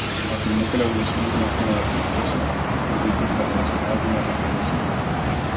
Afirmó que la evolución es una forma de religión ocultista relacionada con la reencarnación.